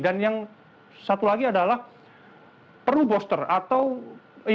dan yang satu lagi adalah perlu booster atau imunisasi tambahan